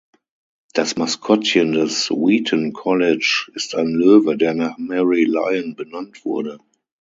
Das Maskottchen des Wheaton College ist ein Löwe, der nach Mary Lyon benannt wurde.